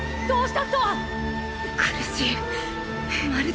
どうしたとわ！